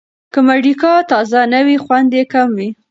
که مډیګا تازه نه وي، خوند یې کم وي.